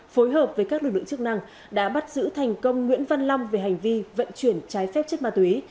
phối hợp với các lực lượng chức năng đã bắt giữ thành công nguyễn văn long về hành vi vận chuyển trái phép chất ma túy